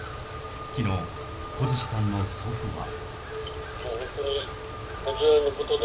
昨日、小槌さんの祖父は。